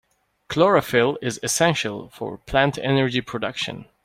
Chlorophyll is essential for plant energy production.